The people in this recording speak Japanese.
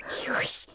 よし！